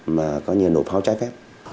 mà có như nổ pháo trái phép